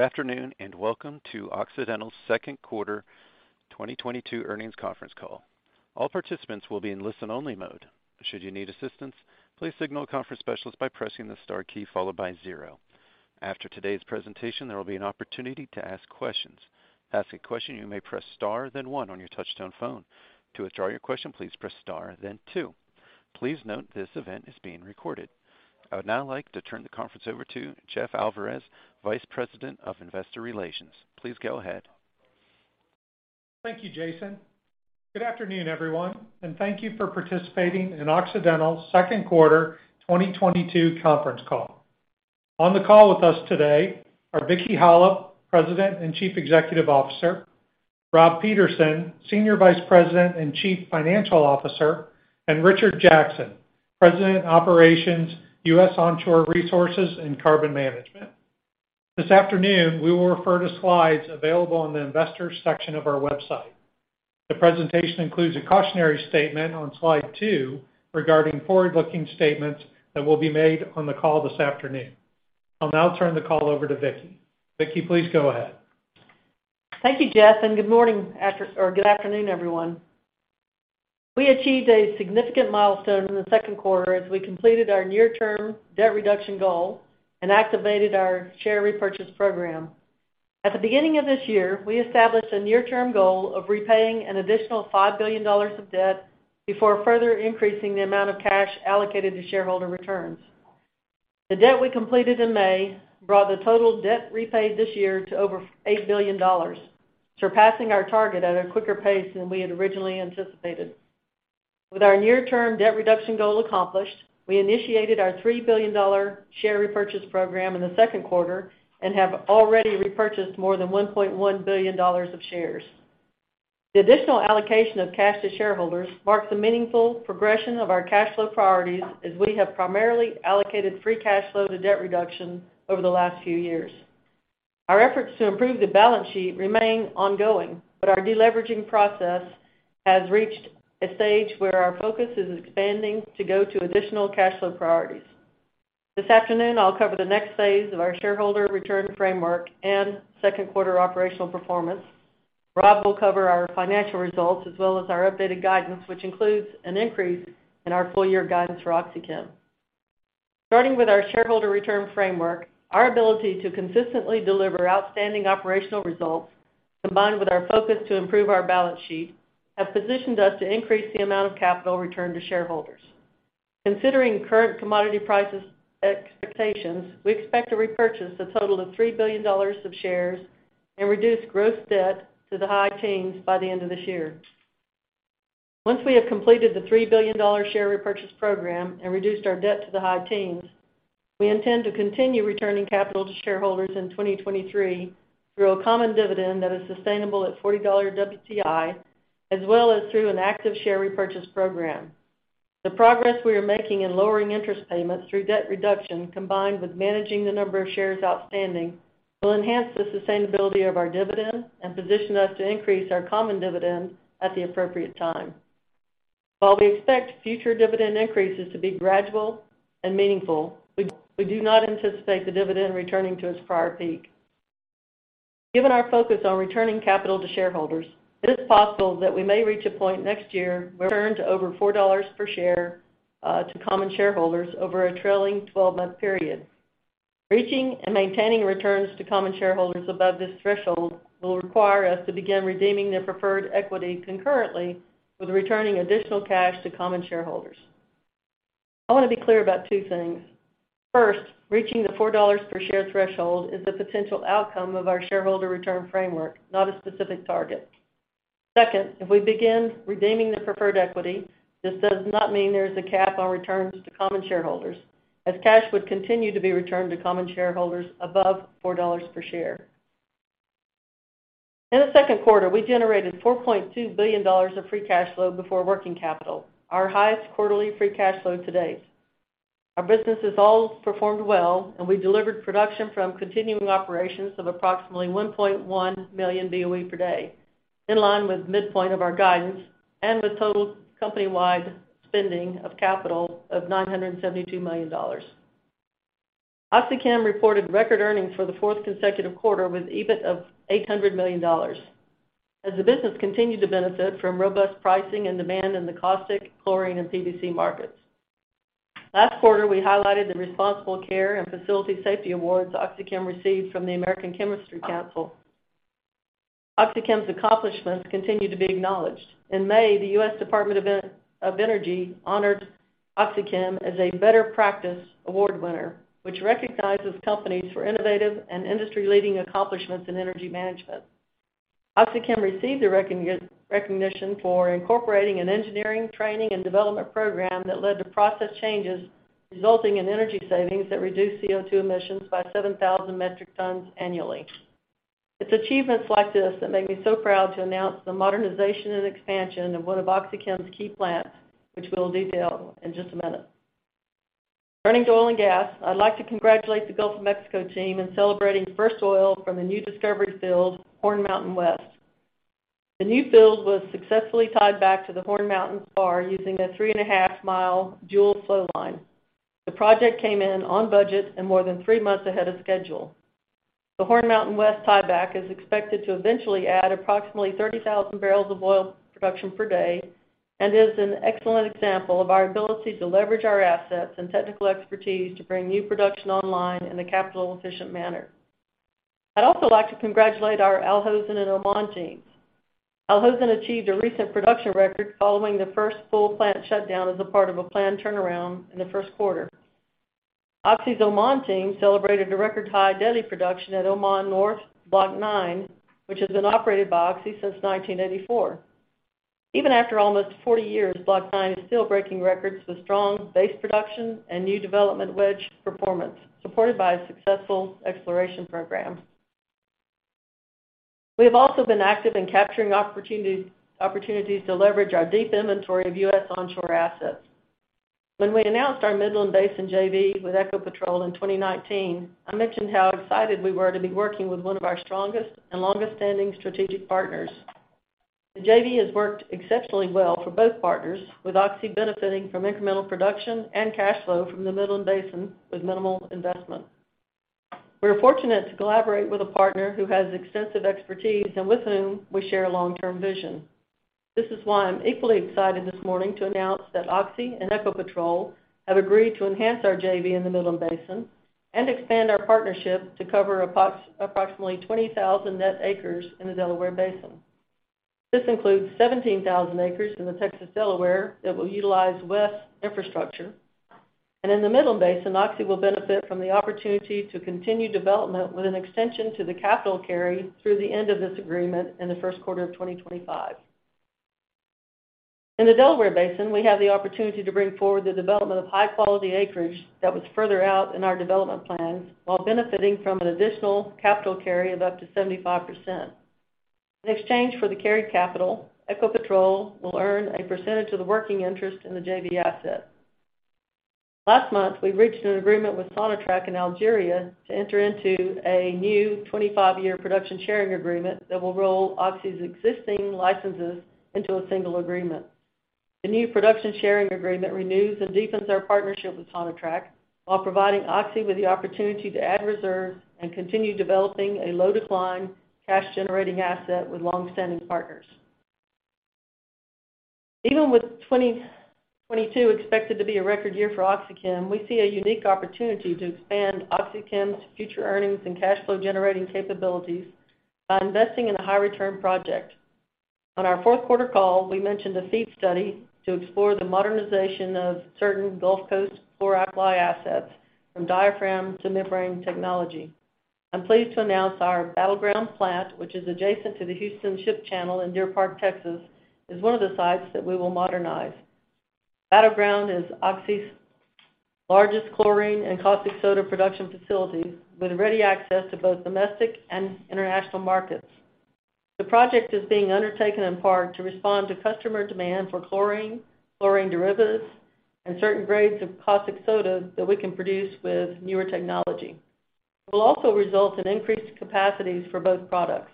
Good afternoon, and welcome to Occidental's Q2 2022 earnings conference call. All participants will be in listen-only mode. Should you need assistance, please signal a conference specialist by pressing the star key followed by zero. After today's presentation, there will be an opportunity to ask questions. To ask a question, you may press star then one on your touch-tone phone. To withdraw your question, please press star then two. Please note this event is being recorded. I would now like to turn the conference over to Jeff Alvarez, Vice President of Investor Relations. Please go ahead. Thank you, Jason. Good afternoon, everyone, and thank you for participating in Occidental's Q2 2022 conference call. On the call with us today are Vicki Hollub, President and Chief Executive Officer, Rob Peterson, Senior Vice President and Chief Financial Officer, and Richard Jackson, President, Operations, U.S. Onshore Resources and Carbon Management. This afternoon, we will refer to slides available on the Investors section of our website. The presentation includes a cautionary statement on Slide 2 regarding forward-looking statements that will be made on the call this afternoon. I'll now turn the call over to Vicki. Vicki, please go ahead. Thank you, Jeff, and good morning or good afternoon, everyone. We achieved a significant milestone in the Q2 as we completed our near-term debt reduction goal and activated our share repurchase program. At the beginning of this year, we established a near-term goal of repaying an additional $5 billion of debt before further increasing the amount of cash allocated to shareholder returns. The debt we completed in May brought the total debt repaid this year to over $8 billion, surpassing our target at a quicker pace than we had originally anticipated. With our near-term debt reduction goal accomplished, we initiated our $3 billion share repurchase program in the Q2 and have already repurchased more than $1.1 billion of shares. The additional allocation of cash to shareholders marks a meaningful progression of our cash flow priorities as we have primarily allocated free cash flow to debt reduction over the last few years. Our efforts to improve the balance sheet remain ongoing, but our deleveraging process has reached a stage where our focus is expanding to go to additional cash flow priorities. This afternoon, I'll cover the next phase of our shareholder return framework and Q2 operational performance. Rob will cover our financial results as well as our updated guidance, which includes an increase in our full year guidance for OxyChem. Starting with our shareholder return framework, our ability to consistently deliver outstanding operational results, combined with our focus to improve our balance sheet, have positioned us to increase the amount of capital returned to shareholders. Considering current commodity prices expectations, we expect to repurchase a total of $3 billion of shares and reduce gross debt to the high teens by the end of this year. Once we have completed the $3 billion share repurchase program and reduced our debt to the high teens, we intend to continue returning capital to shareholders in 2023 through a common dividend that is sustainable at $40 WTI, as well as through an active share repurchase program. The progress we are making in lowering interest payments through debt reduction, combined with managing the number of shares outstanding, will enhance the sustainability of our dividend and position us to increase our common dividend at the appropriate time. While we expect future dividend increases to be gradual and meaningful, we do not anticipate the dividend returning to its prior peak. Given our focus on returning capital to shareholders, it is possible that we may reach a point next year where returns over $4 per share to common shareholders over a trailing twelve-month period. Reaching and maintaining returns to common shareholders above this threshold will require us to begin redeeming the preferred equity concurrently with returning additional cash to common shareholders. I wanna be clear about two things. First, reaching the $4 per share threshold is the potential outcome of our shareholder return framework, not a specific target. Second, if we begin redeeming the preferred equity, this does not mean there's a cap on returns to common shareholders, as cash would continue to be returned to common shareholders above $4 per share. In the Q2, we generated $4.2 billion of free cash flow before working capital, our highest quarterly free cash flow to date. Our businesses all performed well, and we delivered production from continuing operations of approximately 1.1 million BOE per day, in line with midpoint of our guidance and with total company-wide spending of capital of $972 million. OxyChem reported record earnings for the fourth consecutive quarter with EBIT of $800 million as the business continued to benefit from robust pricing and demand in the caustic chlorine and PVC markets. Last quarter, we highlighted the responsible care and facility safety awards OxyChem received from the American Chemistry Council. OxyChem's accomplishments continue to be acknowledged. In May, the U.S. Department of Energy honored OxyChem as a Better Practice Award winner, which recognizes companies for innovative and industry-leading accomplishments in energy management. OxyChem received the recognition for incorporating an engineering training and development program that led to process changes resulting in energy savings that reduced CO2 emissions by 7,000 metric tons annually. Its achievements like this that make me so proud to announce the modernization and expansion of one of OxyChem's key plants, which we'll detail in just a minute. Turning to oil and gas, I'd like to congratulate the Gulf of Mexico team in celebrating first oil from the new discovery field, Horn Mountain West. The new field was successfully tied back to the Horn Mountain Spar using a 3.5-mile dual flow line. The project came in on budget and more than 3 months ahead of schedule. The Horn Mountain West tieback is expected to eventually add approximately 30,000 barrels of oil production per day and is an excellent example of our ability to leverage our assets and technical expertise to bring new production online in a capital efficient manner. I'd also like to congratulate our Al Hosn and Oman teams. Al Hosn achieved a recent production record following the first full plant shutdown as a part of a planned turnaround in the Q1. Oxy's Oman team celebrated a record high daily production at Oman North Block 9, which has been operated by Oxy since 1984. Even after almost 40 years, Block 9 is still breaking records with strong base production and new development well performance, supported by a successful exploration program. We have also been active in capturing opportunities to leverage our deep inventory of U.S. onshore assets. When we announced our Midland Basin JV with Ecopetrol in 2019, I mentioned how excited we were to be working with one of our strongest and longest standing strategic partners. The JV has worked exceptionally well for both partners, with Oxy benefiting from incremental production and cash flow from the Midland Basin with minimal investment. We are fortunate to collaborate with a partner who has extensive expertise and with whom we share a long-term vision. This is why I'm equally excited this morning to announce that Oxy and Ecopetrol have agreed to enhance our JV in the Midland Basin and expand our partnership to cover approximately 20,000 net acres in the Delaware Basin. This includes 17,000 acres in the Texas Delaware that will utilize Oxy's infrastructure. In the Midland Basin, Oxy will benefit from the opportunity to continue development with an extension to the capital carry through the end of this agreement in the Q1 of 2025. In the Delaware Basin, we have the opportunity to bring forward the development of high-quality acreage that was further out in our development plans while benefiting from an additional capital carry of up to 75%. In exchange for the carried capital, Ecopetrol will earn a percentage of the working interest in the JV asset. Last month, we reached an agreement with Sonatrach in Algeria to enter into a new 25-year production sharing agreement that will roll Oxy's existing licenses into a single agreement. The new production sharing agreement renews and deepens our partnership with Sonatrach while providing Oxy with the opportunity to add reserves and continue developing a low decline, cash generating asset with long-standing partners. Even with 2022 expected to be a record year for OxyChem, we see a unique opportunity to expand OxyChem's future earnings and cash flow generating capabilities by investing in a high return project. On our Q4 call, we mentioned a feed study to explore the modernization of certain Gulf Coast chlor-alkali assets from diaphragm to membrane technology. I'm pleased to announce our Battleground plant, which is adjacent to the Houston Ship Channel in Deer Park, Texas, is one of the sites that we will modernize. Battleground is Oxy's largest chlorine and caustic soda production facility, with ready access to both domestic and international markets. The project is being undertaken in part to respond to customer demand for chlorine derivatives, and certain grades of Caustic Soda that we can produce with newer technology. It will also result in increased capacities for both products.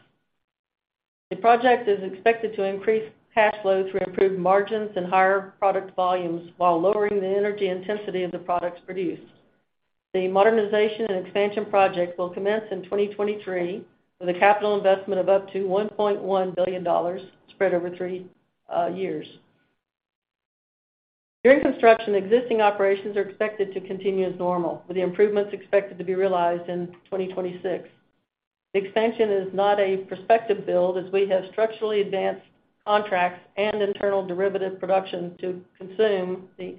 The project is expected to increase cash flow through improved margins and higher product volumes while lowering the energy intensity of the products produced. The modernization and expansion project will commence in 2023, with a capital investment of up to $1.1 billion spread over three years. During construction, existing operations are expected to continue as normal, with the improvements expected to be realized in 2026. The expansion is not a prospective build, as we have structurally advanced contracts and internal derivative production to consume the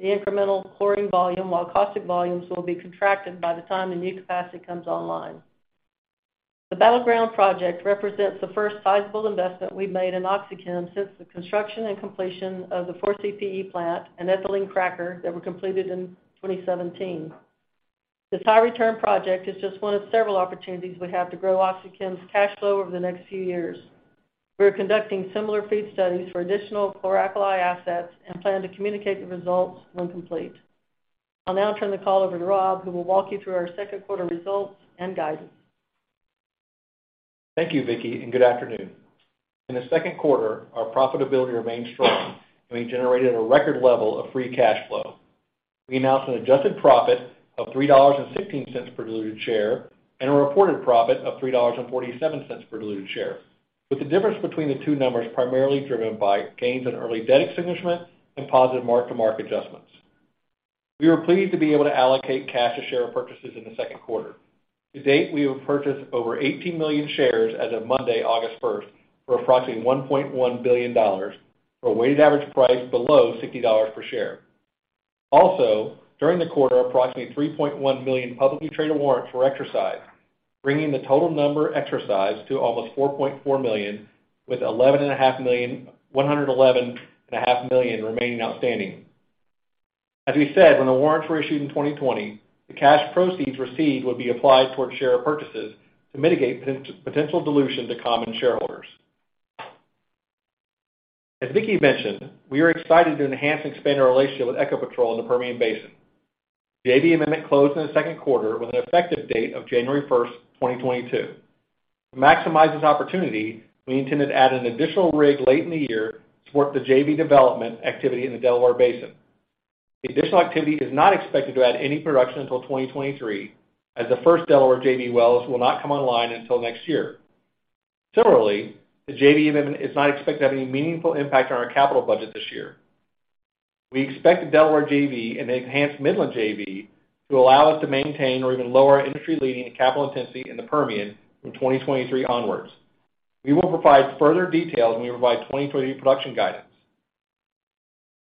incremental chlorine volume, while caustic volumes will be contracted by the time the new capacity comes online. The Battleground project represents the first sizable investment we've made in OxyChem since the construction and completion of the 4CPe plant and ethylene cracker that were completed in 2017. This high return project is just one of several opportunities we have to grow OxyChem's cash flow over the next few years. We are conducting similar FEED studies for additional chlor-alkali assets and plan to communicate the results when complete. I'll now turn the call over to Rob, who will walk you through our Q2 results and guidance. Thank you, Vicki, and good afternoon. In the Q2, our profitability remained strong, and we generated a record level of free cash flow. We announced an adjusted profit of $3.16 per diluted share and a reported profit of $3.47 per diluted share, with the difference between the two numbers primarily driven by gains in early debt extinguishment and positive mark-to-market adjustments. We were pleased to be able to allocate cash to share purchases in the Q2. To date, we have purchased over 18 million shares as of Monday, August 1, for approximately $1.1 billion, for a weighted average price below $60 per share. Also, during the quarter, approximately 3.1 million publicly traded warrants were exercised, bringing the total number exercised to almost 4.4 million, with 111.5 million remaining outstanding. As we said when the warrants were issued in 2020, the cash proceeds received would be applied towards share purchases to mitigate potential dilution to common shareholders. As Vicki mentioned, we are excited to enhance and expand our relationship with Ecopetrol in the Permian Basin. The JV amendment closed in the Q2 with an effective date of January 1, 2022. To maximize this opportunity, we intended to add an additional rig late in the year to support the JV development activity in the Delaware Basin. The additional activity is not expected to add any production until 2023 as the first Delaware JV wells will not come online until next year. Similarly, the JV amendment is not expected to have any meaningful impact on our capital budget this year. We expect the Delaware JV and the enhanced Midland JV to allow us to maintain or even lower our industry-leading capital intensity in the Permian from 2023 onwards. We will provide further details when we provide 2023 production guidance.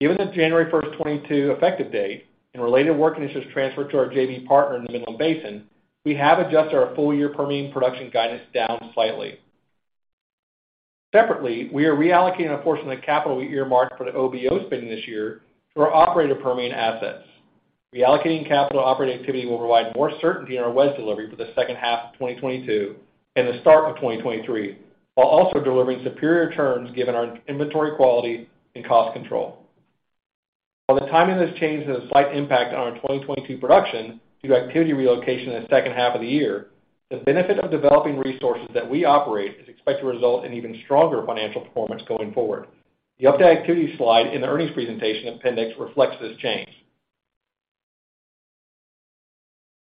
Given the January 1, 2022 effective date and related work initiatives transferred to our JV partner in the Midland Basin, we have adjusted our full-year Permian production guidance down slightly. Separately, we are reallocating a portion of the capital we earmarked for the OBO spend this year to our operator Permian assets. Reallocating capital operating activity will provide more certainty in our wells delivery for the second half of 2022 and the start of 2023, while also delivering superior returns given our inventory quality and cost control. While the timing of this change has a slight impact on our 2022 production due to activity relocation in the second half of the year. The benefit of developing resources that we operate is expected to result in even stronger financial performance going forward. The updated activity slide in the earnings presentation appendix reflects this change.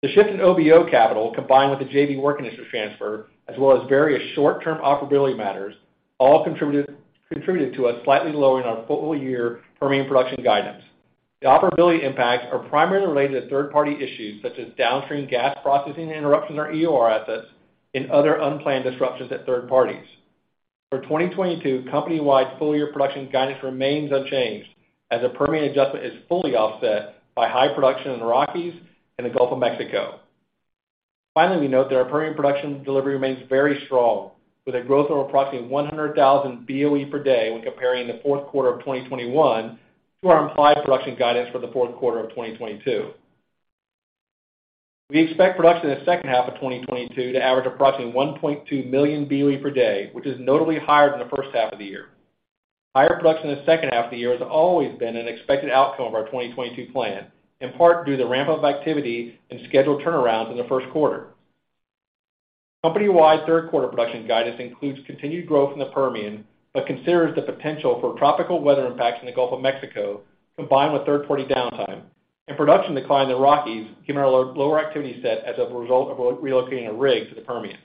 The shift in OBO capital combined with the JV work initiative transfer, as well as various short-term operability matters, all contributed to us slightly lowering our full year Permian production guidance. The operability impacts are primarily related to third-party issues, such as downstream gas processing interruptions or EOR assets and other unplanned disruptions at third parties. For 2022, company-wide full-year production guidance remains unchanged as the Permian adjustment is fully offset by high production in the Rockies and the Gulf of Mexico. Finally, we note that our Permian production delivery remains very strong, with a growth of approximately 100,000 BOE per day when comparing the Q4 of 2021 to our implied production guidance for the Q4 of 2022. We expect production in the second half of 2022 to average approximately 1.2 million BOE per day, which is notably higher than the first half of the year. Higher production in the second half of the year has always been an expected outcome of our 2022 plan, in part due to the ramp-up of activity and scheduled turnarounds in the Q1. Company-wide Q3 production guidance includes continued growth in the Permian, but considers the potential for tropical weather impacts in the Gulf of Mexico, combined with third-party downtime and production decline in the Rockies, given our lower activity set as a result of relocating a rig to the Permian.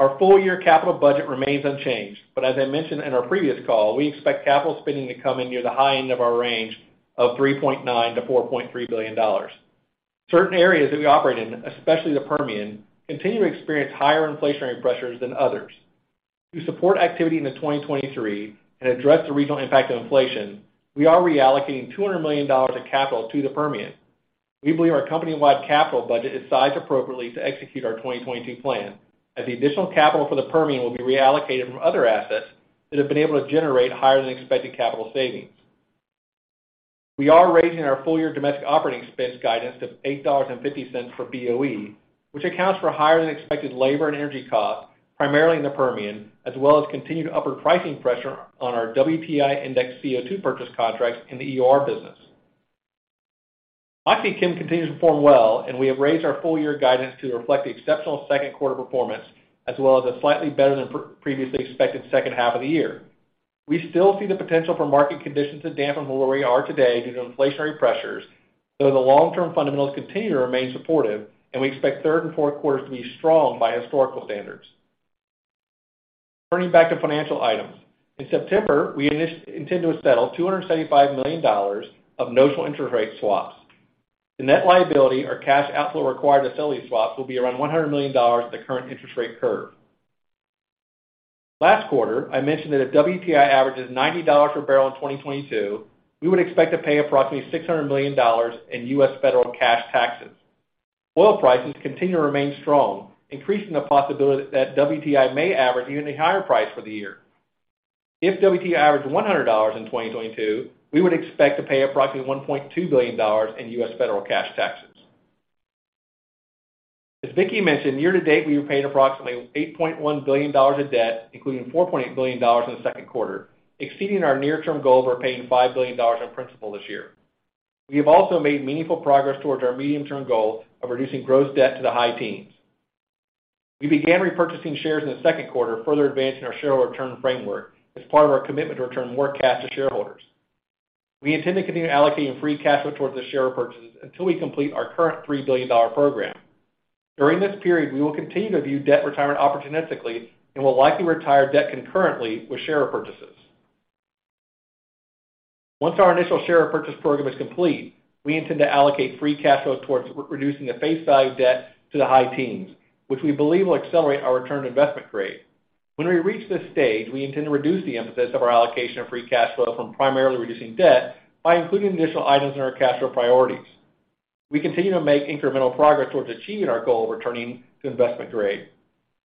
Our full-year capital budget remains unchanged, but as I mentioned in our previous call, we expect capital spending to come in near the high end of our range of $3.9 billion-$4.3 billion. Certain areas that we operate in, especially the Permian, continue to experience higher inflationary pressures than others. To support activity into 2023 and address the regional impact of inflation, we are reallocating $200 million of capital to the Permian. We believe our company-wide capital budget is sized appropriately to execute our 2022 plan, as the additional capital for the Permian will be reallocated from other assets that have been able to generate higher than expected capital savings. We are raising our full-year domestic operating expense guidance to $8.50 per BOE, which accounts for higher than expected labor and energy costs, primarily in the Permian, as well as continued upward pricing pressure on our WTI indexed CO2 purchase contracts in the EOR business. OxyChem continues to perform well, and we have raised our full-year guidance to reflect the exceptional Q2 performance, as well as a slightly better than previously expected second half of the year. We still see the potential for market conditions to dampen from where we are today due to inflationary pressures, though the long-term fundamentals continue to remain supportive, and we expect third and Q4s to be strong by historical standards. Turning back to financial items. In September, we intend to settle $275 million of notional interest rate swaps. The net liability or cash outflow required to sell these swaps will be around $100 million at the current interest rate curve. Last quarter, I mentioned that if WTI averages $90 per barrel in 2022, we would expect to pay approximately $600 million in U.S. federal cash taxes. Oil prices continue to remain strong, increasing the possibility that WTI may average even a higher price for the year. If WTI averaged $100 in 2022, we would expect to pay approximately $1.2 billion in U.S. federal cash taxes. As Vicki mentioned, year to date, we have paid approximately $8.1 billion of debt, including $4.8 billion in the Q2, exceeding our near-term goal of paying $5 billion in principal this year. We have also made meaningful progress towards our medium-term goal of reducing gross debt to the high teens. We began repurchasing shares in the Q2, further advancing our share return framework as part of our commitment to return more cash to shareholders. We intend to continue allocating free cash flow towards the share repurchases until we complete our current $3 billion program. During this period, we will continue to view debt retirement opportunistically and will likely retire debt concurrently with share repurchases. Once our initial share repurchase program is complete, we intend to allocate free cash flows towards reducing the face value debt to the high teens, which we believe will accelerate our return to investment grade. When we reach this stage, we intend to reduce the emphasis of our allocation of free cash flow from primarily reducing debt by including additional items in our cash flow priorities. We continue to make incremental progress towards achieving our goal of returning to investment grade.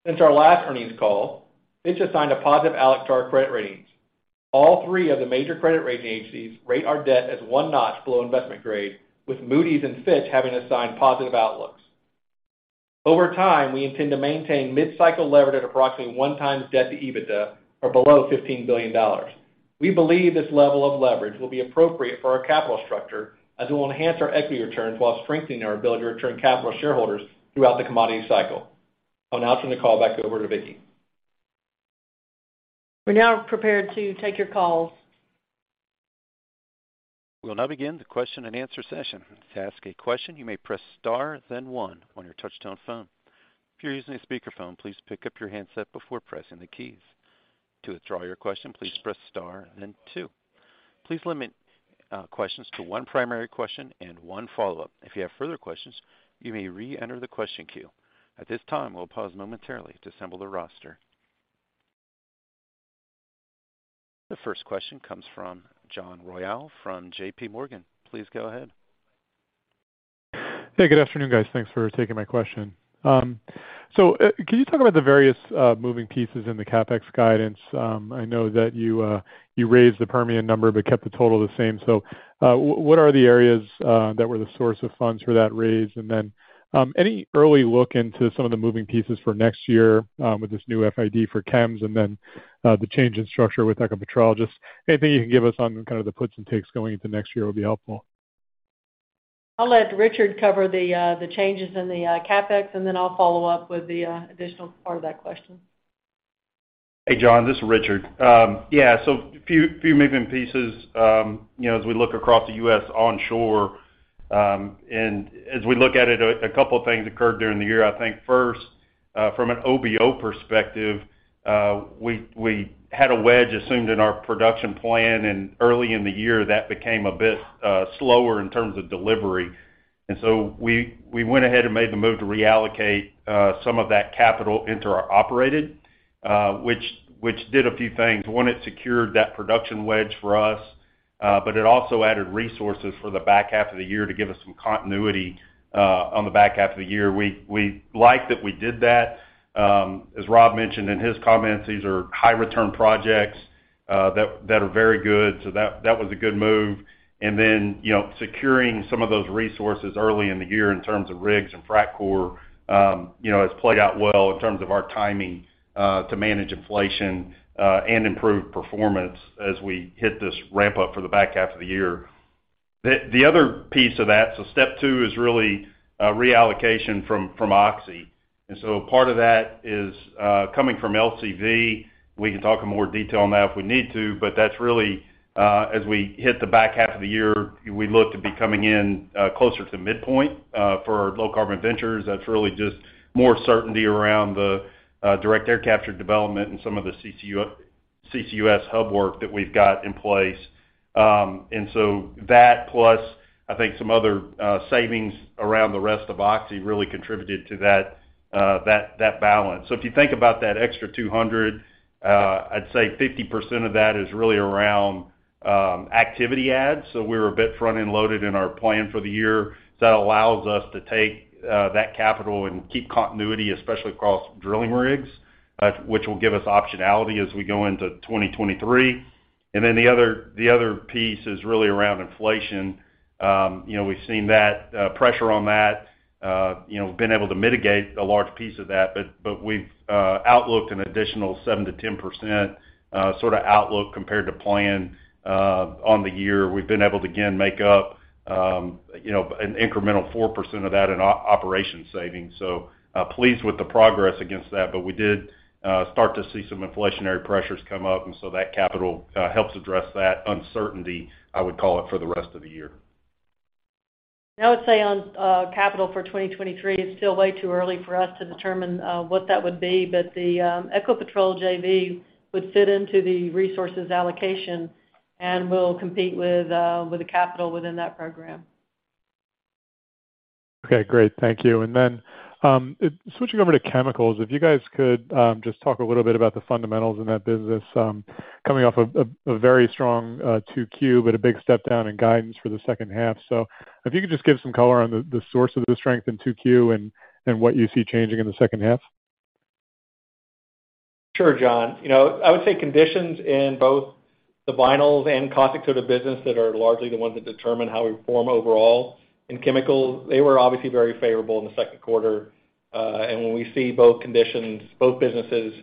Since our last earnings call, Fitch assigned a positive outlook to our credit ratings. All three of the major credit rating agencies rate our debt as one notch below investment grade, with Moody's and Fitch having assigned positive outlooks. Over time, we intend to maintain mid-cycle leverage at approximately 1x debt to EBITDA or below $15 billion. We believe this level of leverage will be appropriate for our capital structure as it will enhance our equity returns while strengthening our ability to return capital to shareholders throughout the commodity cycle. I'll now turn the call back over to Vicki. We're now prepared to take your calls. We'll now begin the question-and-answer session. To ask a question, you may press star then one on your touch-tone phone. If you're using a speaker phone, please pick up your handset before pressing the keys. To withdraw your question, please press star then two. Please limit questions to one primary question and one follow-up. If you have further questions, you may re-enter the question queue. At this time, we'll pause momentarily to assemble the roster. The first question comes from John Royall from JPMorgan. Please go ahead. Hey, good afternoon, guys. Thanks for taking my question. Can you talk about the various moving pieces in the CapEx guidance? I know that you raised the Permian number, but kept the total the same. What are the areas that were the source of funds for that raise? Any early look into some of the moving pieces for next year, with this new FID for chems and then the change in structure with Ecopetrol? Just anything you can give us on kind of the puts and takes going into next year would be helpful. I'll let Richard cover the changes in the CapEx, and then I'll follow up with the additional part of that question. Hey, John, this is Richard. A few moving pieces, you know, as we look across the U.S. onshore, and as we look at it, a couple things occurred during the year. I think first, from an OBO perspective, we had a wedge assumed in our production plan, and early in the year, that became a bit slower in terms of delivery. We went ahead and made the move to reallocate some of that capital into our operated, which did a few things. One, it secured that production wedge for us, but it also added resources for the back half of the year to give us some continuity on the back half of the year. We like that we did that. As Rob mentioned in his comments, these are high return projects that are very good. That was a good move. You know, securing some of those resources early in the year in terms of rigs and frac crew, you know, has played out well in terms of our timing to manage inflation and improve performance as we hit this ramp up for the back half of the year. The other piece of that, step two, is really reallocation from Oxy. Part of that is coming from LCV. We can talk in more detail on that if we need to, but that's really, as we hit the back half of the year, we look to be coming in closer to midpoint for Low Carbon Ventures. That's really just more certainty around the direct air capture development and some of the CCUS hub work that we've got in place. That plus, I think some other savings around the rest of Oxy really contributed to that balance. If you think about that extra $200, I'd say 50% of that is really around activity adds. We're a bit front-end loaded in our plan for the year. That allows us to take that capital and keep continuity, especially across drilling rigs, which will give us optionality as we go into 2023. Then the other piece is really around inflation. You know, we've seen that pressure on that. You know, we've been able to mitigate a large piece of that, but we've outlooked an additional 7%-10%, sort of outlook compared to plan, on the year. We've been able to again make up, you know, an incremental 4% of that in operation savings. Pleased with the progress against that. We did start to see some inflationary pressures come up, and so that capital helps address that uncertainty, I would call it, for the rest of the year. I would say on capital for 2023, it's still way too early for us to determine what that would be. The Ecopetrol JV would fit into the resource allocation, and we'll compete with the capital within that program. Okay, great. Thank you. Switching over to chemicals, if you guys could just talk a little bit about the fundamentals in that business, coming off a very strong 2Q, but a big step down in guidance for the second half. If you could just give some color on the source of the strength in 2Q and what you see changing in the second half. Sure, John. You know, I would say conditions in both the Vinyls and Caustic Soda business that are largely the ones that determine how we perform overall in chemicals, they were obviously very favorable in the Q2. When we see both conditions, both businesses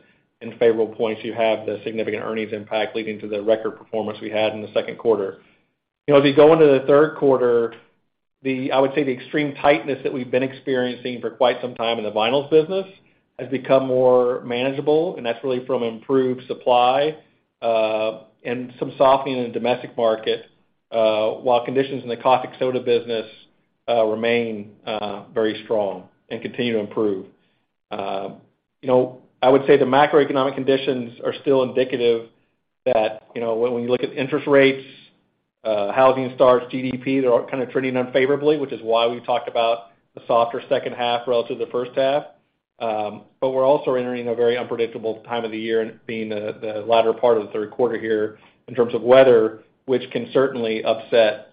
in favorable points, you have the significant earnings impact leading to the record performance we had in the Q2. You know, as you go into the Q3, I would say the extreme tightness that we've been experiencing for quite some time in the Vinyls business has become more manageable, and that's really from improved supply, and some softening in the domestic market, while conditions in the Caustic Soda business remain very strong and continue to improve. You know, I would say the macroeconomic conditions are still indicative that, you know, when you look at interest rates, housing starts, GDP, they're all kind of trending unfavorably, which is why we talked about the softer second half relative to the first half. But we're also entering a very unpredictable time of the year, being the latter part of the Q3 here in terms of weather, which can certainly upset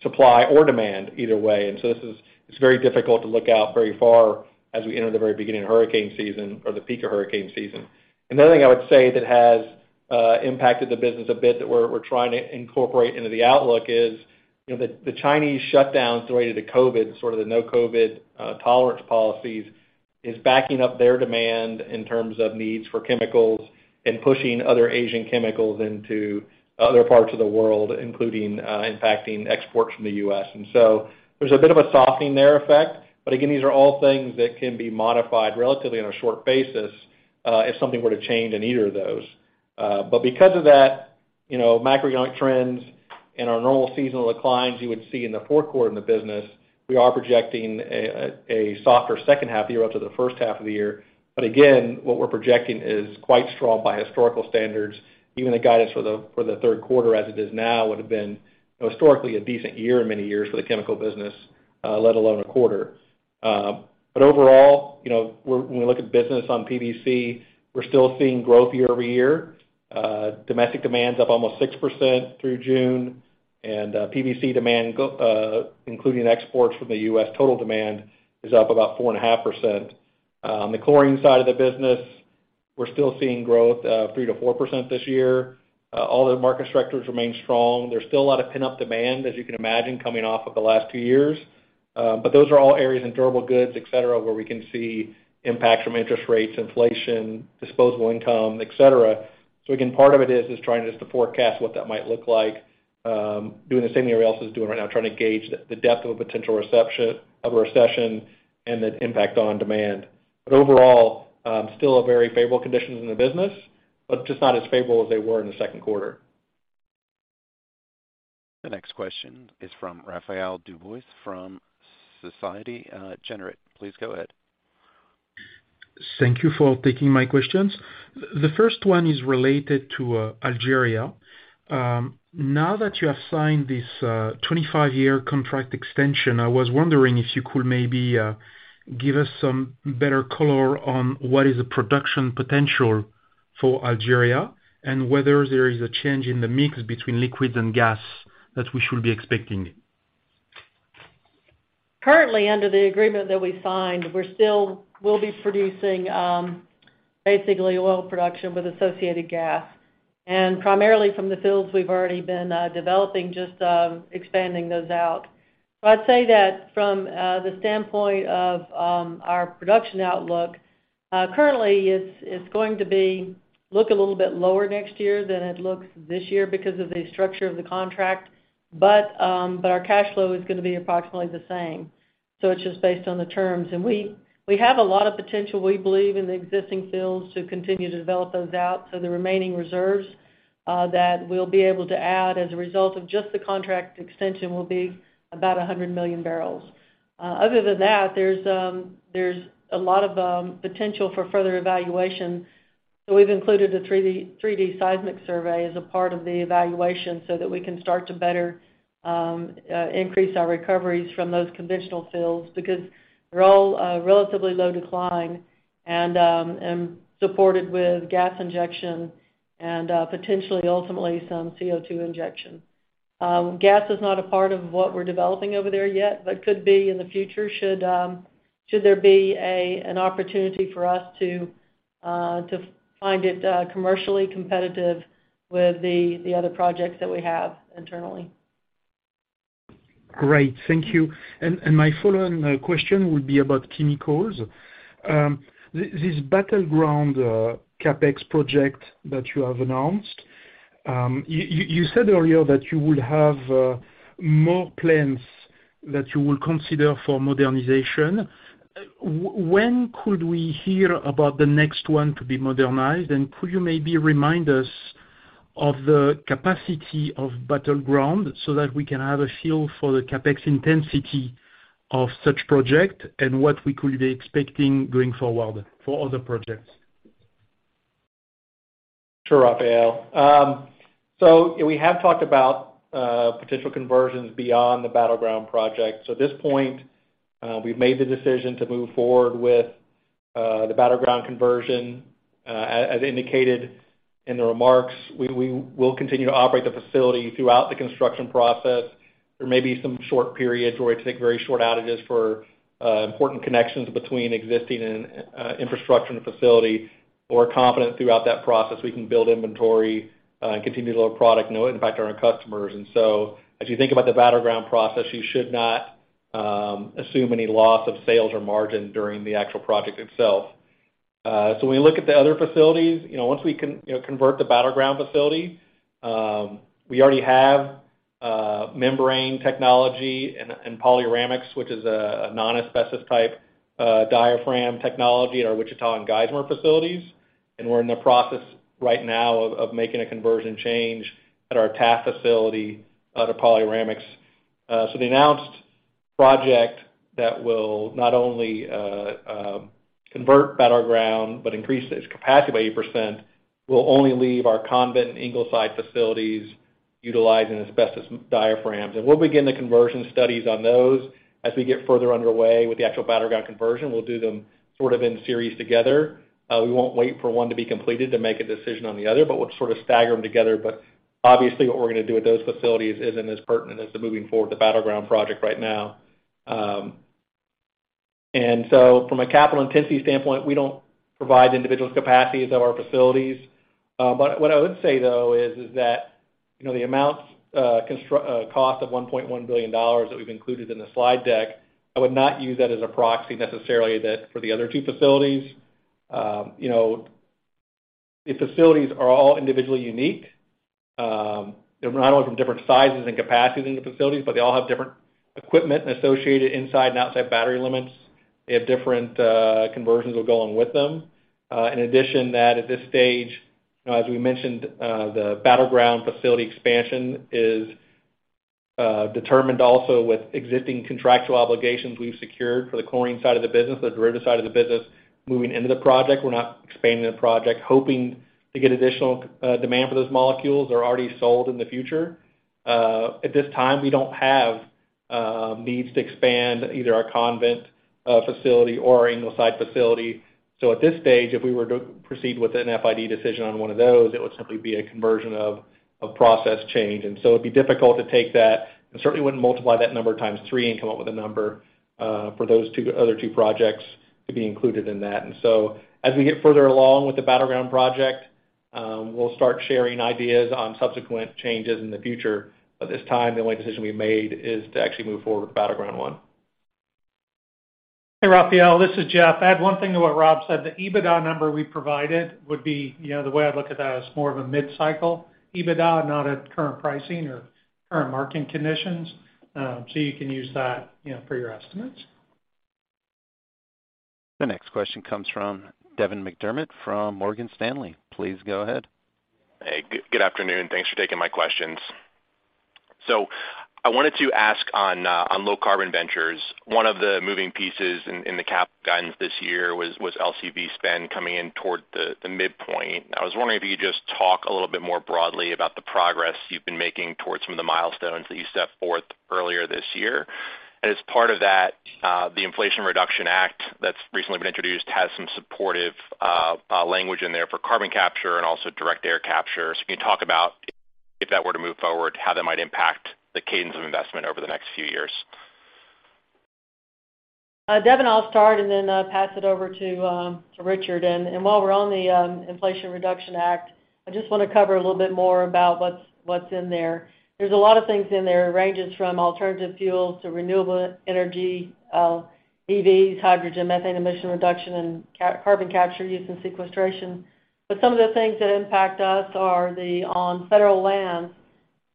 supply or demand either way. This is very difficult to look out very far as we enter the very beginning of hurricane season or the peak of hurricane season. Another thing I would say that has impacted the business a bit that we're trying to incorporate into the outlook is, you know, the Chinese shutdowns related to COVID, sort of the no COVID tolerance policies is backing up their demand in terms of needs for chemicals and pushing other Asian chemicals into other parts of the world, including impacting exports from the US. There's a bit of a softening effect there. Again, these are all things that can be modified relatively on a short basis, if something were to change in either of those. Because of that, you know, macroeconomic trends and our normal seasonal declines you would see in the Q4 in the business, we are projecting a softer second half year up to the first half of the year. Again, what we're projecting is quite strong by historical standards. Even the guidance for the Q3 as it is now would have been historically a decent year in many years for the chemical business, let alone a quarter. Overall, you know, we look at business on PVC, we're still seeing growth year-over-year. Domestic demand's up almost 6% through June. PVC demand, including exports from the US, total demand is up about 4.5%. The chlorine side of the business, we're still seeing growth 3%-4% this year. All the market structures remain strong. There's still a lot of pent-up demand, as you can imagine, coming off of the last two years. Those are all areas in durable goods, et cetera, where we can see impact from interest rates, inflation, disposable income, et cetera. Again, part of it is trying just to forecast what that might look like, doing the same everybody else is doing right now, trying to gauge the depth of a potential recession and the impact on demand. Overall, still a very favorable conditions in the business, but just not as favorable as they were in the Q2. The next question is from Raphaël DuBois from Société Générale. Please go ahead. Thank you for taking my questions. The first one is related to Algeria. Now that you have signed this 25-year contract extension, I was wondering if you could maybe give us some better color on what is the production potential for Algeria, and whether there is a change in the mix between liquids and gas that we should be expecting? Currently, under the agreement that we signed, we'll still be producing basically oil production with associated gas. Primarily from the fields we've already been developing, just expanding those out. I'd say that from the standpoint of our production outlook, currently it's going to be a little bit lower next year than it looks this year because of the structure of the contract. Our cash flow is gonna be approximately the same. It's just based on the terms. We have a lot of potential, we believe in the existing fields to continue to develop those out. The remaining reserves that we'll be able to add as a result of just the contract extension will be about 100 million barrels. Other than that, there's a lot of potential for further evaluation. We've included a 3D seismic survey as a part of the evaluation so that we can start to better increase our recoveries from those conventional fields. Because they're all relatively low decline and supported with gas injection and potentially ultimately some CO2 injection. Gas is not a part of what we're developing over there yet, but could be in the future should there be an opportunity for us to find it commercially competitive with the other projects that we have internally. Great. Thank you. My follow-on question would be about chemicals. This Battleground CapEx project that you have announced. You said earlier that you would have more plans that you will consider for modernization. When could we hear about the next one to be modernized? Could you maybe remind us of the capacity of Battleground so that we can have a feel for the CapEx intensity of such project and what we could be expecting going forward for other projects? Sure, Raphaël. We have talked about potential conversions beyond the Battleground project. At this point, we've made the decision to move forward with the Battleground conversion. As indicated in the remarks, we will continue to operate the facility throughout the construction process. There may be some short periods where we take very short outages for important connections between existing and infrastructure in the facility. We're confident throughout that process we can build inventory and continue to load product and not impact our own customers. As you think about the Battleground process, you should not assume any loss of sales or margin during the actual project itself. When you look at the other facilities, you know, once we convert the Battleground facility, we already have membrane technology and Polyramix, which is a non-asbestos type diaphragm technology at our Wichita and Geismar facilities. We're in the process right now of making a conversion change at our Taft facility to Polyramix. The announced project that will not only convert Battleground, but increase its capacity by 8%, will only leave our Convent and Ingleside facilities utilizing asbestos diaphragms. We'll begin the conversion studies on those as we get further underway with the actual Battleground conversion. We'll do them sort of in series together. We won't wait for one to be completed to make a decision on the other, but we'll sort of stagger them together. Obviously, what we're gonna do at those facilities isn't as pertinent as the moving forward the Battleground project right now. From a capital intensity standpoint, we don't provide individual capacities of our facilities. What I would say though is that, you know, the cost of $1.1 billion that we've included in the slide deck, I would not use that as a proxy necessarily for the other two facilities. You know, the facilities are all individually unique. They're not only of different sizes and capacities in the facilities, but they all have different equipment associated inside and outside battery limits. They have different conversions that go along with them. In addition to that, at this stage, you know, as we mentioned, the Battleground facility expansion is determined also with existing contractual obligations we've secured for the chlorine side of the business, the derivative side of the business. Moving into the project, we're not expanding the project, hoping to get additional demand for those molecules are already sold in the future. At this time, we don't have needs to expand either our Convent facility or our Ingleside facility. At this stage, if we were to proceed with an FID decision on one of those, it would simply be a conversion of process change. It'd be difficult to take that, and certainly wouldn't multiply that number times three and come up with a number for those two other two projects to be included in that. As we get further along with the Battleground project, we'll start sharing ideas on subsequent changes in the future. At this time, the only decision we've made is to actually move forward with Battleground one. Hey, Raphaël, this is Jeff. Add one thing to what Rob said. The EBITDA number we provided would be, you know, the way I'd look at that is more of a mid-cycle EBITDA, not at current pricing or current market conditions. So you can use that, you know, for your estimates. The next question comes from Devin McDermott from Morgan Stanley. Please go ahead. Hey, good afternoon. Thanks for taking my questions. I wanted to ask on Low Carbon Ventures. One of the moving pieces in the capital guidance this year was LCV spend coming in toward the midpoint. I was wondering if you could just talk a little bit more broadly about the progress you've been making towards some of the milestones that you set forth earlier this year. As part of that, the Inflation Reduction Act that's recently been introduced has some supportive language in there for carbon capture and also direct air capture. Can you talk about if that were to move forward, how that might impact the cadence of investment over the next few years? Devin, I'll start and then pass it over to Richard. While we're on the Inflation Reduction Act, I just wanna cover a little bit more about what's in there. There's a lot of things in there. It ranges from alternative fuels to renewable energy, EVs, hydrogen, methane emission reduction, and carbon capture, utilization, and sequestration. Some of the things that impact us are the on federal land,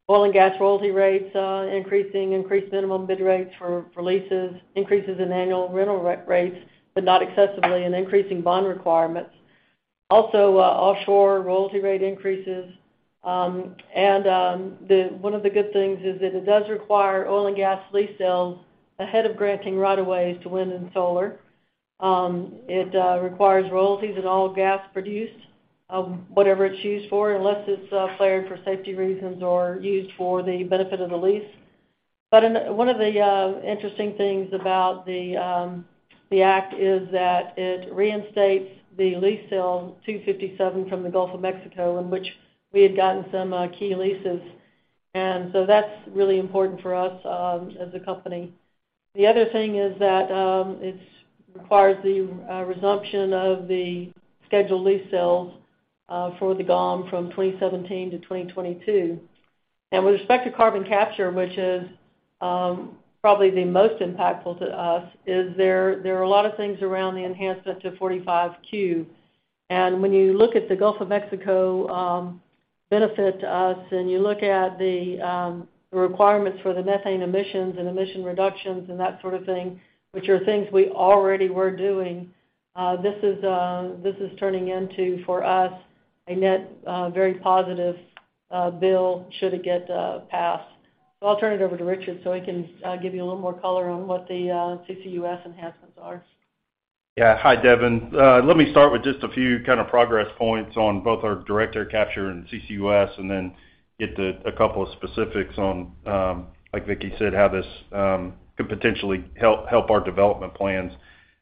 oil and gas royalty rates increasing, increased minimum bid rates for leases, increases in annual rental rates, but not excessively, and increasing bond requirements. Also, offshore royalty rate increases. One of the good things is that it does require oil and gas lease sales ahead of granting right of ways to wind and solar. It requires royalties on all gas produced, whatever it's used for, unless it's flared for safety reasons or used for the benefit of the lease. One of the interesting things about the act is that it reinstates the Lease Sale 257 from the Gulf of Mexico, in which we had gotten some key leases. That's really important for us as a company. The other thing is that it requires the resumption of the scheduled lease sales for the GOM from 2017 to 2022. With respect to carbon capture, which is probably the most impactful to us, there are a lot of things around the enhancement to 45Q. When you look at the Gulf of Mexico benefit to us, and you look at the requirements for the methane emissions and emission reductions and that sort of thing, which are things we already were doing, this is turning into, for us, a net very positive bill should it get passed. I'll turn it over to Richard so he can give you a little more color on what the CCUS enhancements are. Yeah. Hi, Devin. Let me start with just a few kind of progress points on both our direct air capture and CCUS and then get to a couple of specifics on, like Vicki said, how this could potentially help our development plans.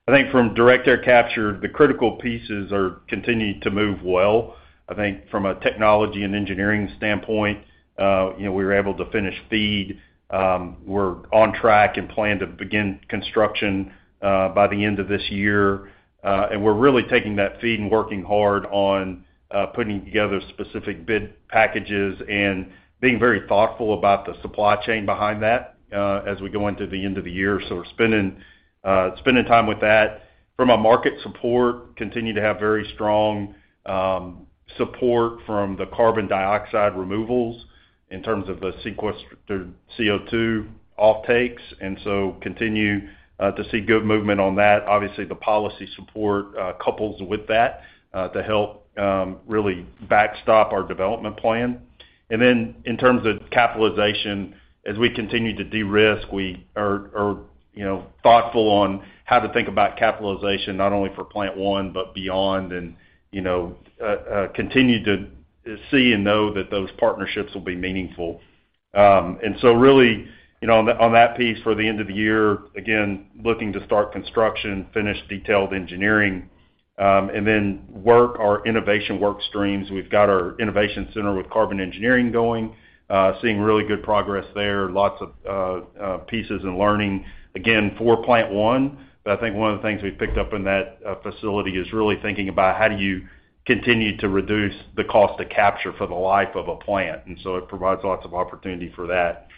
I think from direct air capture, the critical pieces are continuing to move well. I think from a technology and engineering standpoint, you know, we were able to finish FEED. We're on track and plan to begin construction by the end of this year. And we're really taking that FEED and working hard on putting together specific bid packages and being very thoughtful about the supply chain behind that as we go into the end of the year. We're spending time with that. From a market support, continue to have very strong support from the carbon dioxide removals in terms of the CO2 offtakes, continue to see good movement on that. Obviously, the policy support couples with that to help really backstop our development plan. In terms of capitalization, as we continue to de-risk, we are you know thoughtful on how to think about capitalization not only for Plant 1, but beyond and you know continue to see and know that those partnerships will be meaningful. Really, you know, on that piece for the end of the year, again, looking to start construction, finish detailed engineering, and then work our innovation work streams. We've got our innovation center with Carbon Engineering going, seeing really good progress there. Lots of pieces and learning, again, for Plant 1. I think one of the things we've picked up in that facility is really thinking about how do you continue to reduce the cost to capture for the life of a plant. It provides lots of opportunity for that.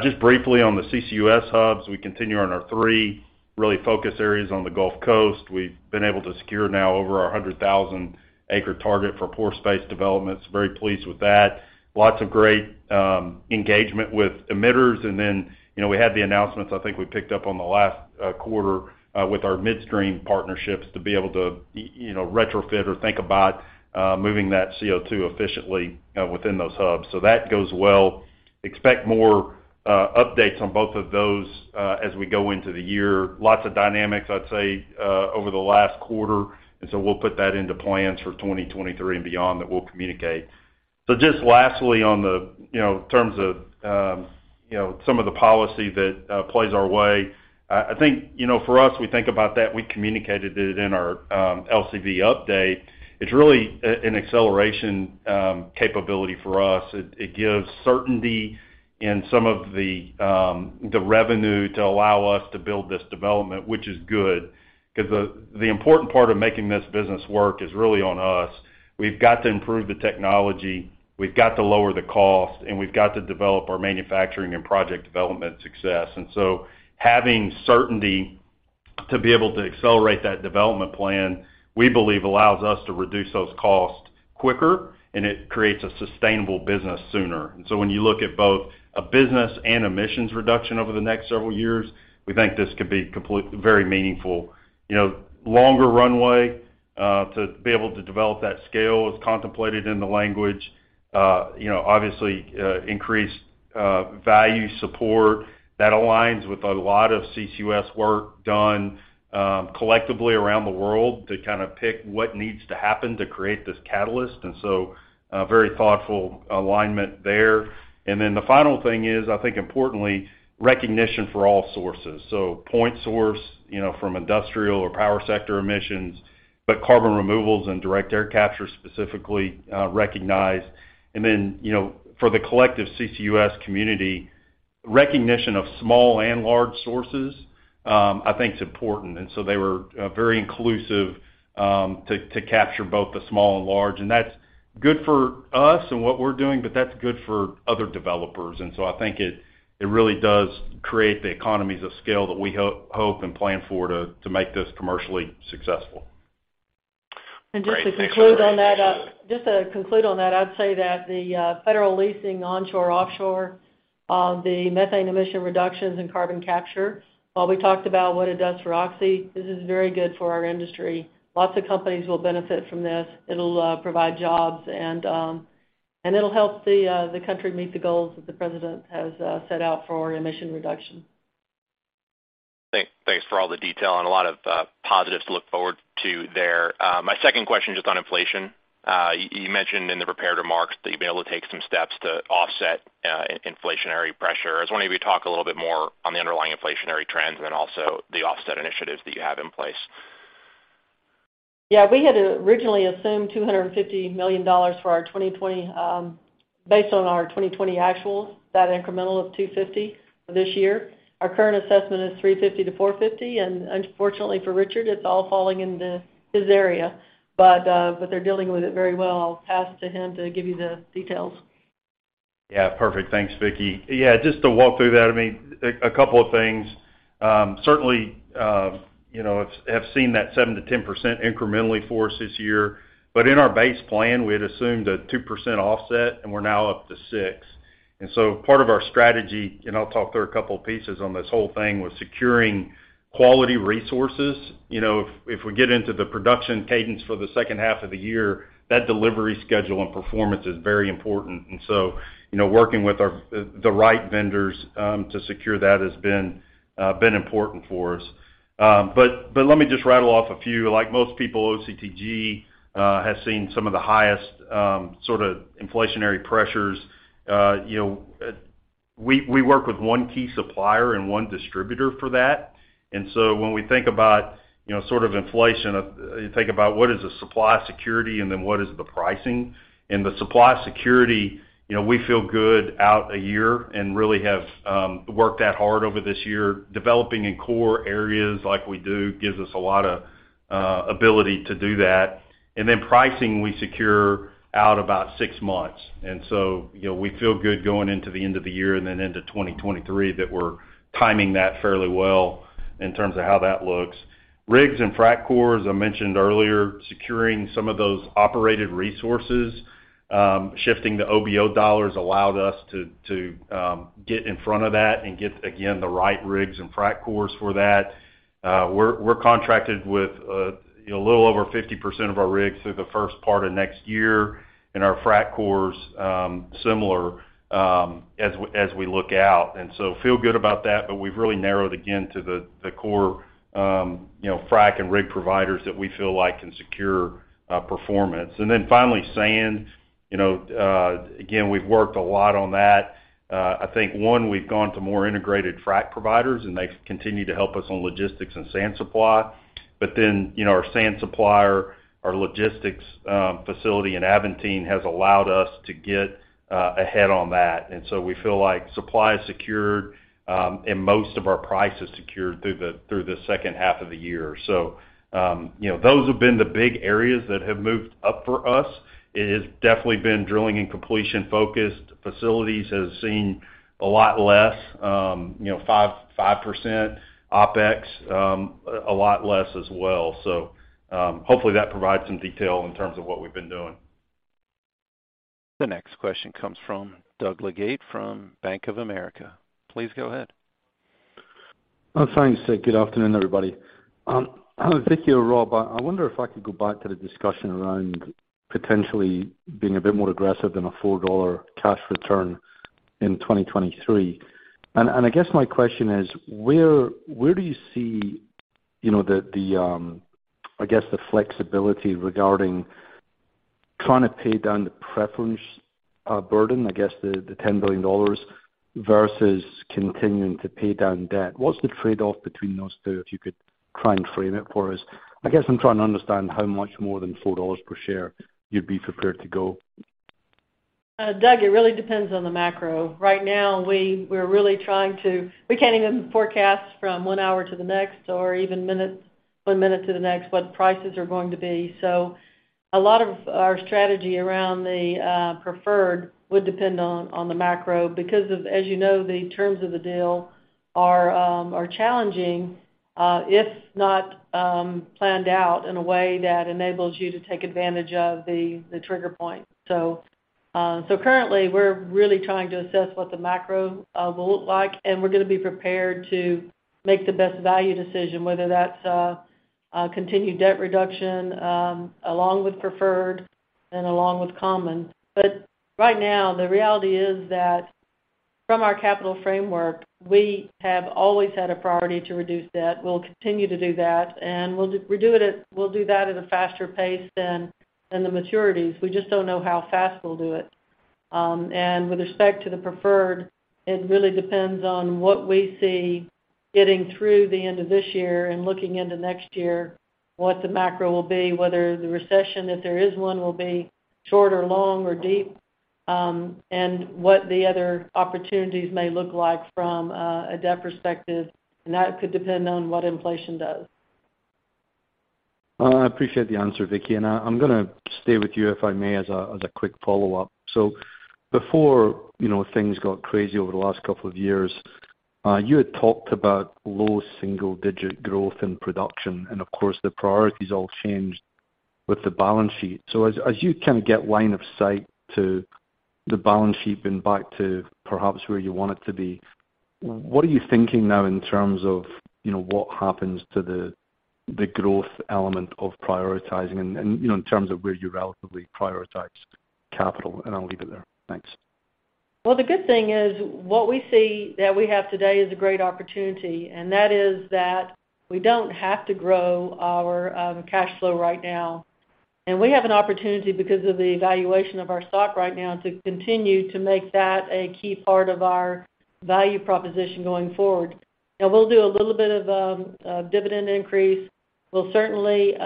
Just briefly on the CCUS hubs, we continue on our three real focus areas on the Gulf Coast. We've been able to secure now over our 100,000-acre target for pore space developments. Very pleased with that. Lots of great engagement with emitters. You know, we had the announcements, I think we picked up on the last quarter, with our midstream partnerships to be able to, you know, retrofit or think about moving that CO2 efficiently within those hubs. That goes well. Expect more updates on both of those as we go into the year. Lots of dynamics, I'd say, over the last quarter, and so we'll put that into plans for 2023 and beyond that we'll communicate. Just lastly on the, you know, terms of, you know, some of the policy that plays our way, I think, you know, for us, we think about that. We communicated it in our LCV update. It's really an acceleration capability for us. It gives certainty in some of the revenue to allow us to build this development, which is good because the important part of making this business work is really on us. We've got to improve the technology. We've got to lower the cost, and we've got to develop our manufacturing and project development success. Having certainty to be able to accelerate that development plan, we believe allows us to reduce those costs quicker, and it creates a sustainable business sooner. When you look at both a business and emissions reduction over the next several years, we think this could be very meaningful. You know, longer runway to be able to develop that scale as contemplated in the language, you know, obviously, increased value support that aligns with a lot of CCUS work done, collectively around the world to kind of pick what needs to happen to create this catalyst, and so, very thoughtful alignment there. Then the final thing is, I think importantly, recognition for all sources. Point source, you know, from industrial or power sector emissions, but carbon removals and direct air capture specifically, recognized. Then, you know, for the collective CCUS community, recognition of small and large sources, I think is important. They were very inclusive to capture both the small and large. That's good for us and what we're doing, but that's good for other developers. I think it really does create the economies of scale that we hope and plan for to make this commercially successful. Just to conclude on that, I'd say that the federal leasing onshore, offshore, the methane emission reductions in carbon capture, while we talked about what it does for Oxy, this is very good for our industry. Lots of companies will benefit from this. It'll provide jobs and it'll help the country meet the goals that the president has set out for emission reduction. Thanks for all the detail and a lot of positives to look forward to there. My second question just on inflation. You mentioned in the prepared remarks that you'd be able to take some steps to offset inflationary pressure. I was wondering if you could talk a little bit more on the underlying inflationary trends and then also the offset initiatives that you have in place. Yeah, we had originally assumed $250 million for our 2020, based on our 2020 actuals, that incremental of $250 million this year. Our current assessment is $350 million-$450 million. Unfortunately for Richard, it's all falling into his area. They're dealing with it very well. I'll pass to him to give you the details. Yeah. Perfect. Thanks, Vicki. Yeah, just to walk through that, I mean, a couple of things. Certainly, you know, have seen that 7%-10% incrementally for us this year. In our base plan, we had assumed a 2% offset, and we're now up to 6%. Part of our strategy, and I'll talk through a couple of pieces on this whole thing, was securing quality resources. You know, if we get into the production cadence for the second half of the year, that delivery schedule and performance is very important. You know, working with the right vendors to secure that has been important for us. But let me just rattle off a few. Like most people, OCTG has seen some of the highest sort of inflationary pressures. You know, we work with one key supplier and one distributor for that. When we think about, you know, sort of inflation, you think about what is the supply security and then what is the pricing. In the supply security, you know, we feel good out a year and really have worked that hard over this year. Developing in core areas like we do gives us a lot of ability to do that. Then pricing, we secure out about six months. You know, we feel good going into the end of the year and then into 2023 that we're timing that fairly well in terms of how that looks. Rigs and frac crews, I mentioned earlier, securing some of those operated resources, shifting the OBO dollars allowed us to get in front of that and get, again, the right rigs and frac crews for that. We're contracted with, you know, a little over 50% of our rigs through the first part of next year, and our frac crews, similar, as we look out. Feel good about that, but we've really narrowed, again, to the core, you know, frac and rig providers that we feel like can secure performance. Finally, sand. You know, again, we've worked a lot on that. I think, one, we've gone to more integrated frac providers, and they've continued to help us on logistics and sand supply. You know, our sand supplier, our logistics facility in Aventine has allowed us to get ahead on that. We feel like supply is secured, and most of our price is secured through the second half of the year. You know, those have been the big areas that have moved up for us. It has definitely been drilling and completion-focused. Facilities has seen a lot less, 5%. OpEx a lot less as well. Hopefully that provides some detail in terms of what we've been doing. The next question comes from Doug Leggate from Bank of America. Please go ahead. Thanks. Good afternoon, everybody. Vicki or Rob, I wonder if I could go back to the discussion around potentially being a bit more aggressive in a $4 cash return in 2023. I guess my question is: Where do you see, you know, the flexibility regarding trying to pay down the preference burden, I guess the $10 billion, versus continuing to pay down debt? What's the trade-off between those two, if you could try and frame it for us? I guess I'm trying to understand how much more than $4 per share you'd be prepared to go. Doug, it really depends on the macro. Right now, we can't even forecast from one hour to the next or even one minute to the next what prices are going to be. A lot of our strategy around the preferred would depend on the macro because of, as you know, the terms of the deal are challenging if not planned out in a way that enables you to take advantage of the trigger point. Currently, we're really trying to assess what the macro will look like, and we're gonna be prepared to make the best value decision, whether that's a continued debt reduction along with preferred and along with common. Right now, the reality is that from our capital framework, we have always had a priority to reduce debt. We'll continue to do that, and we'll do that at a faster pace than the maturities. We just don't know how fast we'll do it. With respect to the preferred, it really depends on what we see getting through the end of this year and looking into next year, what the macro will be, whether the recession, if there is one, will be short or long or deep, and what the other opportunities may look like from a debt perspective, and that could depend on what inflation does. I appreciate the answer, Vicki. I'm gonna stay with you, if I may, as a quick follow-up. Before, you know, things got crazy over the last couple of years, you had talked about low single-digit growth in production. Of course, the priorities all changed with the balance sheet. You kind of get line of sight to the balance sheet and back to perhaps where you want it to be, what are you thinking now in terms of, you know, what happens to the growth element of prioritizing and, you know, in terms of where you relatively prioritize capital? I'll leave it there. Thanks. Well, the good thing is what we see that we have today is a great opportunity, and that is that we don't have to grow our cash flow right now. We have an opportunity because of the valuation of our stock right now to continue to make that a key part of our value proposition going forward. Now, we'll do a little bit of dividend increase. We'll certainly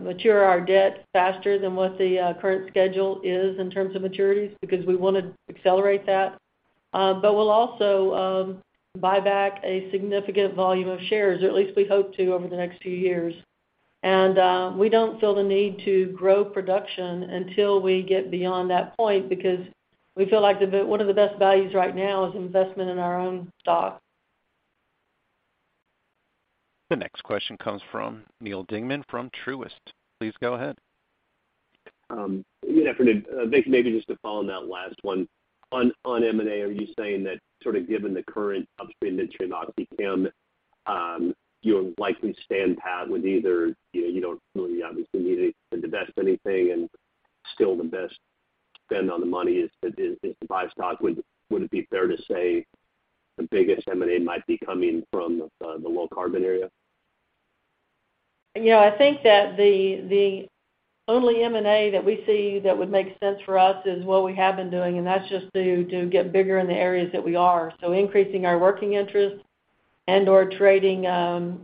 mature our debt faster than what the current schedule is in terms of maturities because we wanna accelerate that. We'll also buy back a significant volume of shares, or at least we hope to over the next few years. We don't feel the need to grow production until we get beyond that point because we feel like one of the best values right now is investment in our own stock. The next question comes from Neal Dingmann from Truist. Please go ahead. Good afternoon. Vicki, maybe just to follow on that last one. On M&A, are you saying that sort of given the current upstream that should not become, you'll likely stand pat with either, you know, you don't really obviously need to divest anything and still the best spend on the money is to buy stock. Would it be fair to say the biggest M&A might be coming from the low carbon area? You know, I think that the only M&A that we see that would make sense for us is what we have been doing, and that's just to get bigger in the areas that we are. Increasing our working interest and/or trading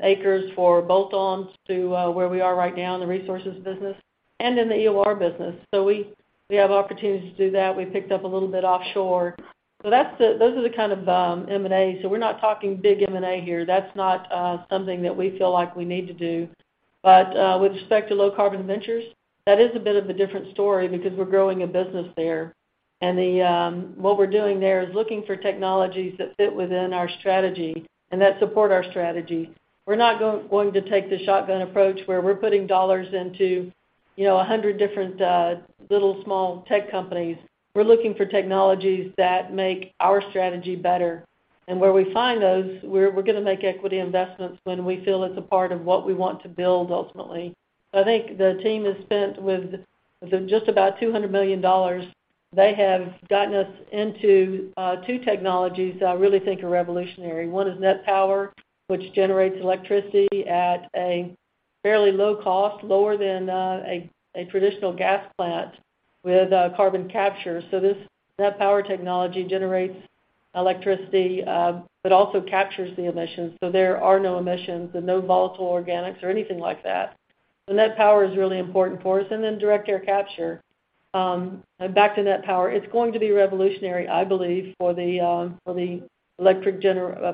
acres for bolt-ons to where we are right now in the resources business and in the EOR business. We have opportunities to do that. We picked up a little bit offshore. Those are the kind of M&A. We're not talking big M&A here. That's not something that we feel like we need to do. With respect to Low Carbon Ventures, that is a bit of a different story because we're growing a business there. What we're doing there is looking for technologies that fit within our strategy and that support our strategy. We're not going to take the shotgun approach, where we're putting dollars into, you know, 100 different little small tech companies. We're looking for technologies that make our strategy better. Where we find those, we're gonna make equity investments when we feel it's a part of what we want to build ultimately. I think the team has spent with just about $200 million. They have gotten us into two technologies that I really think are revolutionary. One is NET Power, which generates electricity at a fairly low cost, lower than a traditional gas plant with carbon capture. This NET Power technology generates electricity, but also captures the emissions, so there are no emissions and no volatile organics or anything like that. The NET Power is really important for us, and then direct air capture. Back to NET Power, it's going to be revolutionary, I believe, for the electric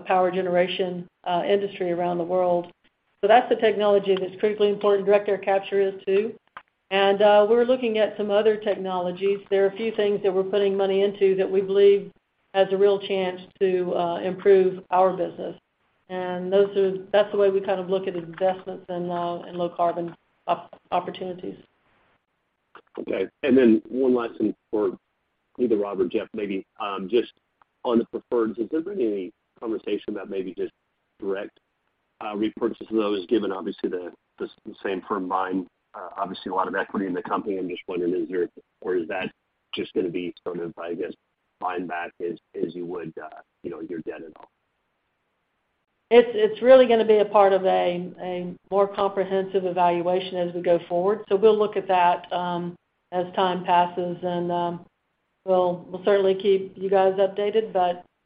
power generation industry around the world. That's the technology that's critically important. Direct air capture is too. We're looking at some other technologies. There are a few things that we're putting money into that we believe has a real chance to improve our business. That's the way we kind of look at investments in low carbon opportunities. Okay. One last thing for either Rob or Jeff, maybe, just on the preferreds. Has there been any conversation about maybe just direct repurchases of those, given obviously the same firm buying obviously a lot of equity in the company? I'm just wondering, is there or is that just gonna be sort of, I guess, buying back as you would your debt and all? It's really gonna be a part of a more comprehensive evaluation as we go forward. We'll look at that as time passes, and we'll certainly keep you guys updated.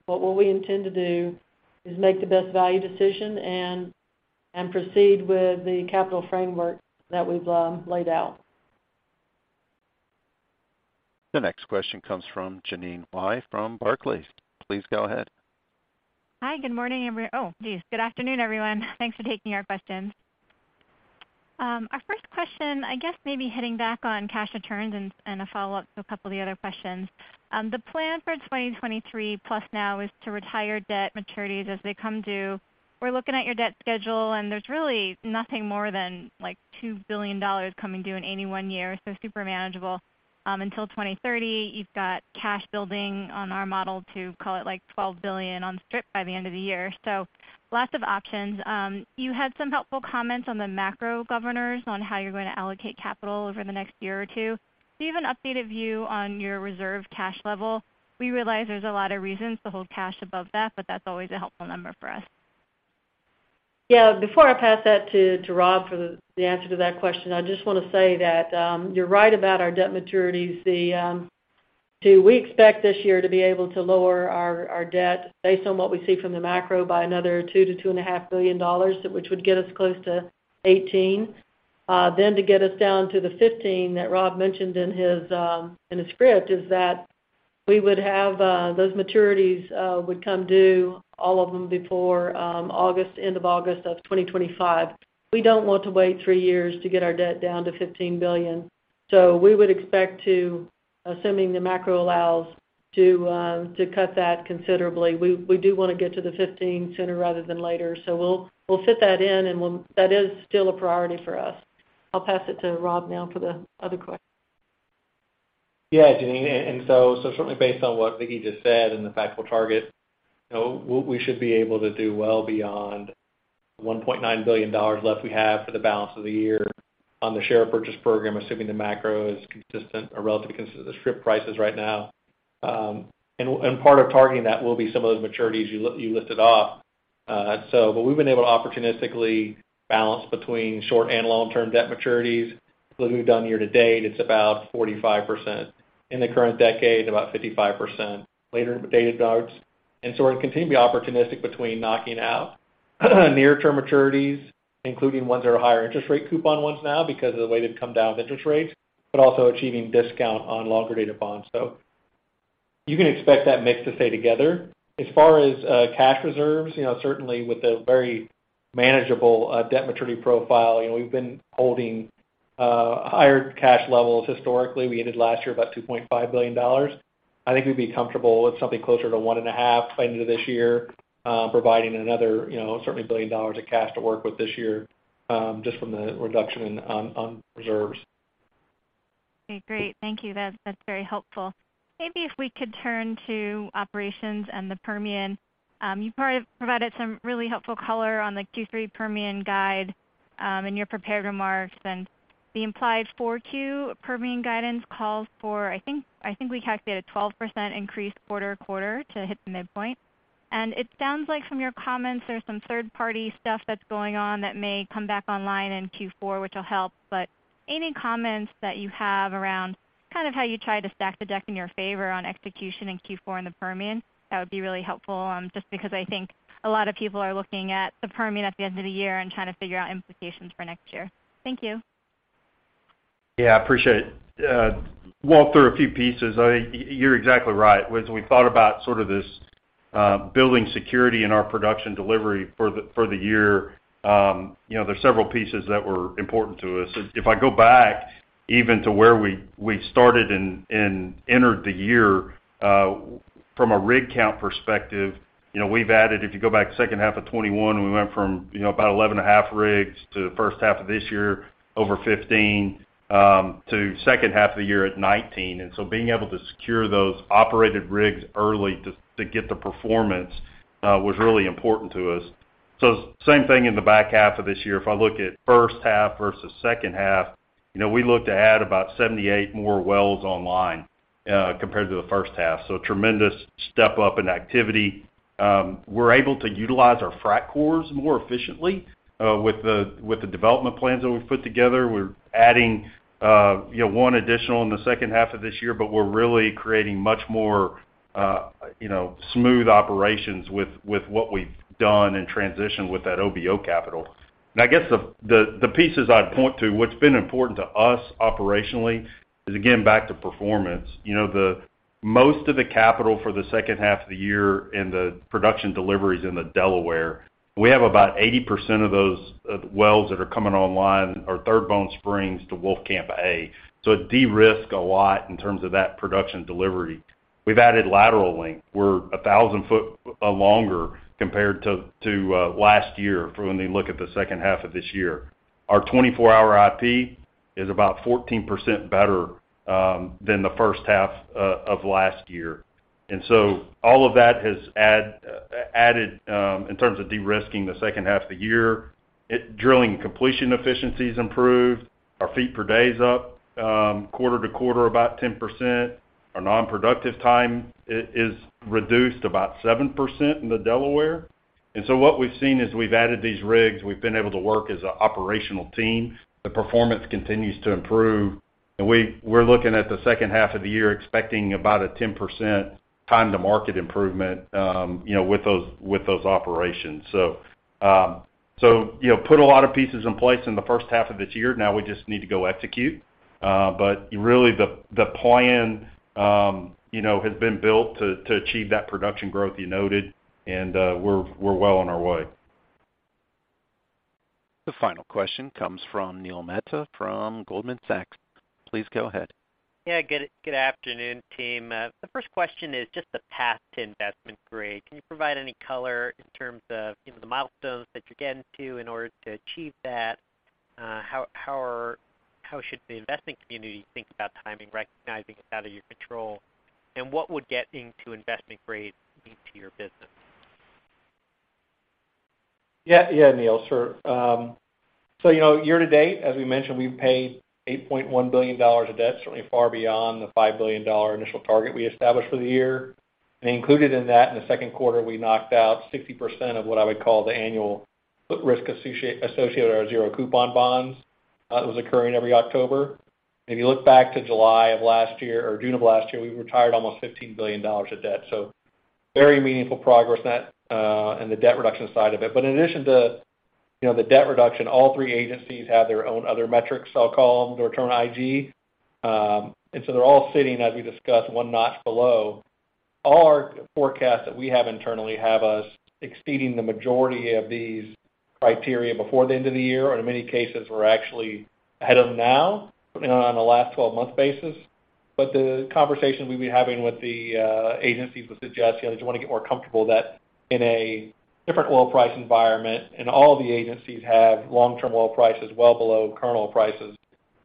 What we intend to do is make the best value decision and proceed with the capital framework that we've laid out. The next question comes from Jeanine Wai from Barclays. Please go ahead. Hi, good afternoon, everyone. Thanks for taking our questions. Our first question, I guess maybe hitting back on cash returns and a follow-up to a couple of the other questions. The plan for 2023 plus now is to retire debt maturities as they come due. We're looking at your debt schedule, and there's really nothing more than, like, $2 billion coming due in any one year, so super manageable. Until 2030, you've got cash building on our model to call it, like, $12 billion on strip by the end of the year. Lots of options. You had some helpful comments on the macro guardrails on how you're going to allocate capital over the next year or two. Do you have an updated view on your reserve cash level? We realize there's a lot of reasons to hold cash above that, but that's always a helpful number for us. Yeah, before I pass that to Rob for the answer to that question, I just wanna say that you're right about our debt maturities. We do expect this year to be able to lower our debt based on what we see from the macro by another $2 billion-$2.5 billion, which would get us close to $18 billion. To get us down to the $15 billion that Rob mentioned in his script, is that we would have those maturities come due, all of them before end of August 2025. We don't want to wait three years to get our debt down to $15 billion. We would expect to, assuming the macro allows, cut that considerably. We do wanna get to the 15 sooner rather than later. We'll fit that in, and that is still a priority for us. I'll pass it to Rob now for the other question. Jeanine, certainly based on what Vicki just said and the fact we'll target, you know, we should be able to do well beyond the $1.9 billion left we have for the balance of the year on the share purchase program, assuming the macro is consistent or relatively consistent with the strip prices right now. And part of targeting that will be some of those maturities you listed off. We've been able to opportunistically balance between short and long-term debt maturities. Look what we've done year to date, it's about 45%. In the current decade, about 55% later dated bonds. We're gonna continue to be opportunistic between knocking out near-term maturities, including ones that are higher interest rate coupon ones now because of the way they've come down with interest rates, but also achieving discount on longer dated bonds. You can expect that mix to stay together. As far as cash reserves, you know, certainly with a very manageable debt maturity profile, you know, we've been holding higher cash levels historically. We ended last year about $2.5 billion. I think we'd be comfortable with something closer to $1.5 billion by end of this year, providing another, you know, certainly $1 billion of cash to work with this year, just from the reduction in reserves. Okay, great. Thank you. That's very helpful. Maybe if we could turn to operations and the Permian. You provided some really helpful color on the Q3 Permian guide in your prepared remarks. The implied 4Q Permian guidance calls for, I think, we calculated a 12% increase quarter-over-quarter to hit the midpoint. It sounds like from your comments there's some third-party stuff that's going on that may come back online in Q4, which will help. Any comments that you have around kind of how you try to stack the deck in your favor on execution in Q4 in the Permian would be really helpful, just because I think a lot of people are looking at the Permian at the end of the year and trying to figure out implications for next year. Thank you. Yeah, appreciate it. Walk through a few pieces. You're exactly right. As we thought about sort of this building security in our production delivery for the year, you know, there's several pieces that were important to us. If I go back even to where we started and entered the year, from a rig count perspective, you know, we've added, if you go back second half of 2021, we went from, you know, about 11.5 rigs to the first half of this year over 15, to second half of the year at 19. Being able to secure those operated rigs early to get the performance was really important to us. Same thing in the back half of this year. If I look at first half versus second half, you know, we look to add about 78 more wells online, compared to the first half. A tremendous step up in activity. We're able to utilize our frac crews more efficiently, with the development plans that we've put together. We're adding, you know, one additional in the second half of this year, but we're really creating much more, you know, smooth operations with what we've done and transitioned with that OBO capital. I guess the pieces I'd point to, what's been important to us operationally is, again, back to performance. You know, most of the capital for the second half of the year in the production deliveries in the Delaware, we have about 80% of those wells that are coming online are 3rd Bone Spring to Wolfcamp A. It de-risk a lot in terms of that production delivery. We've added lateral length. We're 1,000 foot longer compared to last year for when we look at the second half of this year. Our 24-hour IP is about 14% better than the first half of last year. All of that has added in terms of de-risking the second half of the year. Drilling completion efficiencies improved. Our feet per day is up quarter-over-quarter about 10%. Our non-productive time is reduced about 7% in the Delaware. What we've seen is we've added these rigs. We've been able to work as an operational team. The performance continues to improve. We're looking at the second half of the year expecting about a 10% time to market improvement, you know, with those operations. You know, put a lot of pieces in place in the first half of this year. Now we just need to go execute. Really, the plan, you know, has been built to achieve that production growth you noted, and we're well on our way. The final question comes from Neil Mehta from Goldman Sachs. Please go ahead. Yeah, good afternoon, team. The first question is just the path to investment grade. Can you provide any color in terms of, you know, the milestones that you're getting to in order to achieve that? How should the investing community think about timing, recognizing it's out of your control? What would getting to investment grade mean to your business? Yeah. Yeah, Neil, sure. So you know, year-to-date, as we mentioned, we've paid $8.1 billion of debt, certainly far beyond the $5 billion initial target we established for the year. Included in that, in the Q2, we knocked out 60% of what I would call the annual risk associated with our zero coupon bonds, that was occurring every October. If you look back to July of last year or June of last year, we retired almost $15 billion of debt. Very meaningful progress in that, in the debt reduction side of it. In addition to, you know, the debt reduction, all three agencies have their own other metrics, I'll call them, the return IG. They're all sitting, as we discussed, one notch below. All our forecasts that we have internally have us speeding the majority of these criteria before the end of the year, or in many cases, we're actually ahead of them now on a last 12-month basis. The conversation we've been having with the agencies would suggest, you know, they just wanna get more comfortable that in a different oil price environment, and all of the agencies have long-term oil prices well below current prices,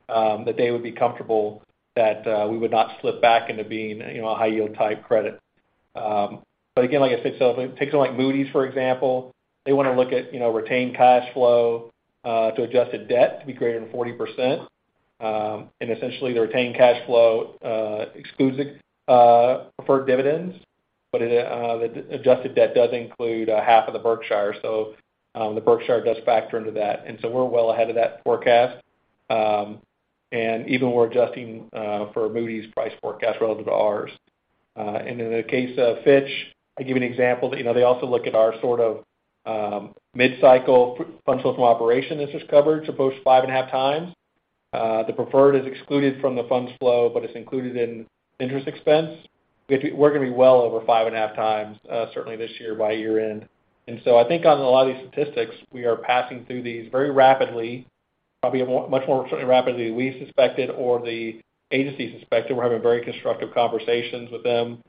that they would be comfortable that we would not slip back into being, you know, a high yield type credit. Again, like I said, so if it takes like Moody's, for example, they wanna look at, you know, retained cash flow to adjusted debt to be greater than 40%. Essentially, the retained cash flow excludes preferred dividends, but the adjusted debt does include half of the Berkshire. The Berkshire does factor into that. We're well ahead of that forecast. Even we're adjusting for Moody's price forecast relative to ours. In the case of Fitch, to give you an example, you know, they also look at our sort of mid-cycle funds flow from operations. This is coverage of both 5.5x. The preferred is excluded from the funds flow, but it's included in interest expense. We're gonna be well over 5.5x, certainly this year by year-end. I think on a lot of these statistics, we are passing through these very rapidly, probably much more rapidly than we suspected or the agencies suspected. We're having very constructive conversations with them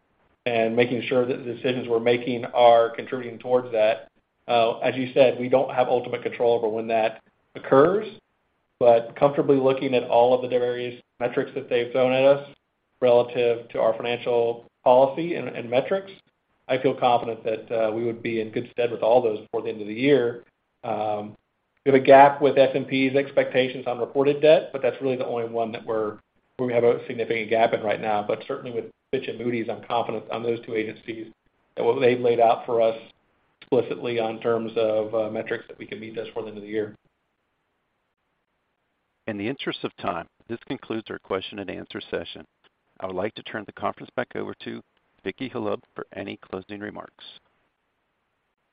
and making sure that the decisions we're making are contributing towards that. As you said, we don't have ultimate control over when that occurs. Comfortably looking at all of the various metrics that they've thrown at us relative to our financial policy and metrics, I feel confident that we would be in good stead with all those before the end of the year. We have a gap with S&P's expectations on reported debt, but that's really the only one that we have a significant gap in right now. Certainly with Fitch and Moody's, I'm confident on those two agencies that what they've laid out for us explicitly on terms of, metrics that we can meet those for the end of the year. In the interest of time, this concludes our question and answer session. I would like to turn the conference back over to Vicki Hollub for any closing remarks.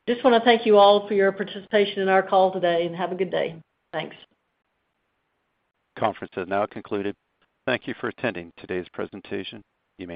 Just wanna thank you all for your participation in our call today, and have a good day. Thanks. Conference has now concluded. Thank you for attending today's presentation. You may disconnect.